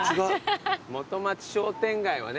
元町商店街はね